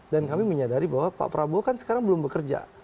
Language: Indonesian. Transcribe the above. dan kami menyadari bahwa pak prabowo kan sekarang belum bekerja